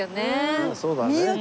うんそうだね。